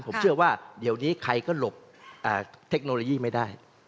ผมเชื่อว่าเดี๋ยวนี้ใครก็หลบเทคโนโลยีไม่ได้